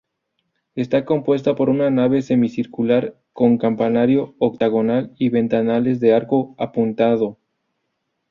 Está compuesta por una nave semicircular con campanario octogonal y ventanales de arco apuntado.